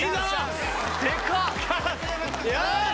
よし！